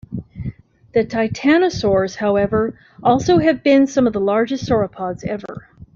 The titanosaurs, however, have also been some of the largest sauropods ever.